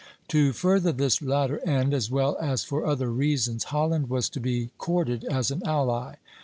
To further this latter end, as well as for other reasons, Holland was to be courted as an ally.